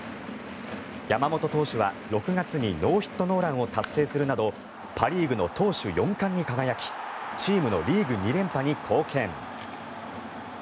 山本投手は６月にノーヒット・ノーランを達成するなどパ・リーグの投手４冠に輝きチームのリーグ２連覇に貢献。